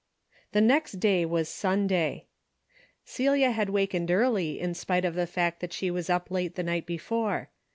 The next day was Sunday. Celia had wakened early, in spite of the fact that she was up late the night before.